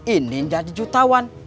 ini jadi jutawan